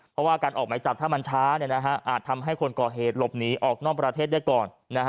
เพราะว่าการออกหมายจับถ้ามันช้าอาจทำให้คนก่อเหตุหลบหนีออกนอกประเทศได้ก่อน